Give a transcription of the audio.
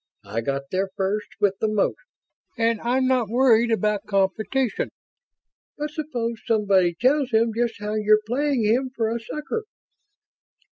I got there first with the most, and I'm not worried about competition." "But suppose somebody tells him just how you're playing him for a sucker?"